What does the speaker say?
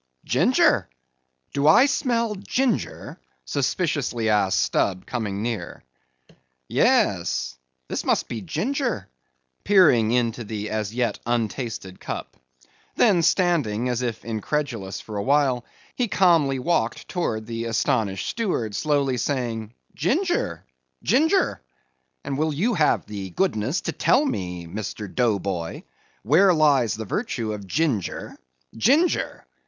"Ginger? Do I smell ginger?" suspiciously asked Stubb, coming near. "Yes, this must be ginger," peering into the as yet untasted cup. Then standing as if incredulous for a while, he calmly walked towards the astonished steward slowly saying, "Ginger? ginger? and will you have the goodness to tell me, Mr. Dough Boy, where lies the virtue of ginger? Ginger!